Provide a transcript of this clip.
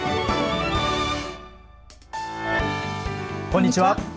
こんにちは。